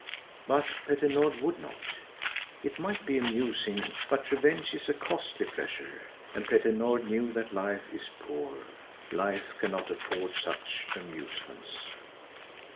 But Petter Nord would not. It might be amusing, but revenge is a costly pleasure, and Petter Nord knew that Life is poor. Life cannot afford such amusements.